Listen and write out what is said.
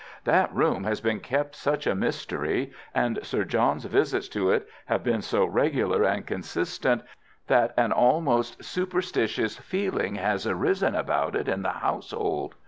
"That room has been kept such a mystery, and Sir John's visits to it have been so regular and consistent, that an almost superstitious feeling has arisen about it in the household.